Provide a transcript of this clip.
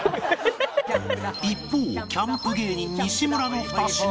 一方キャンプ芸人西村の２品目は